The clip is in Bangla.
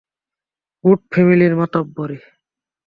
গুড ফ্যামিলির মাতব্বরি!